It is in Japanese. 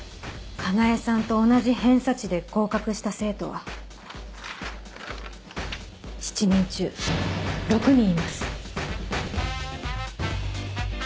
佳苗さんと同じ偏差値で合格した生徒は７人中６人います。